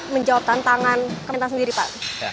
menjawab tantangan kementerian pertanian sendiri pak